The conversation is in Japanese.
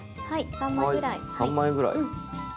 ３枚ぐらい。